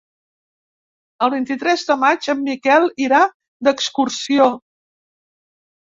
El vint-i-tres de maig en Miquel irà d'excursió.